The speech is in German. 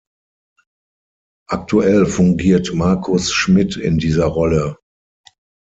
Aktuell fungiert Markus Schmid in dieser Rolle.